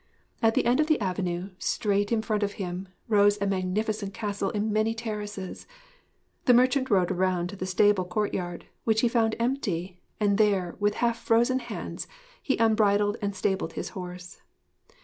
At the end of the avenue, straight in front of him, rose a magnificent castle in many terraces. The merchant rode around to the stable courtyard, which he found empty; and there, with half frozen hands, he unbridled and stabled his horse.